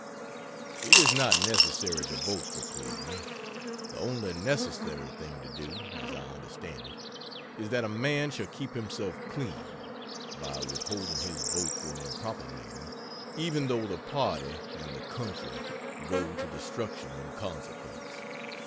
It is not necessary to vote for Cleveland; the only necessary thing to do, as I understand it, is that a man shall keep himself clean, (by withholding his vote for an improper man) even though the party and the country go to destruction in consequence.